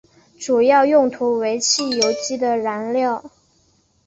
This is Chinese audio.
主要用途为汽油机的燃料。